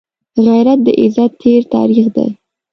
غیرت د عزت تېر تاریخ دی